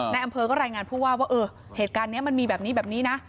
ในอำเภอก็รายงานผู้ว่าว่าเออเหตุการณ์นี้มันมีแบบนี้แบบนี้นะ